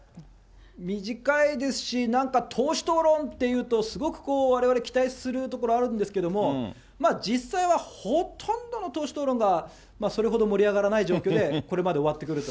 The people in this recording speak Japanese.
短いですし、なんか党首討論っていうと、すごくこう、われわれ期待するところあるんですけど、実際はほとんどの党首討論が、それほど盛り上がらない状況で、これまで終わってくると。